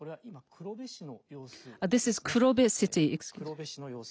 黒部市の様子です。